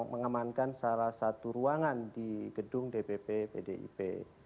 mengamankan salah satu ruangan di gedung dpp pdip